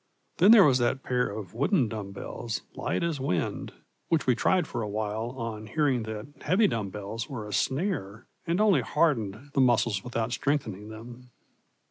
Then there was that pair of wooden dumb bells light as wind, which we tried for a while on hearing that heavy dumb bells were a snare and only hardened the muscles without strengthening them.